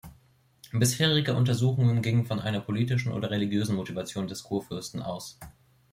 Bisherige Untersuchungen gingen von einer politischen oder religiösen Motivation des Kurfürsten aus.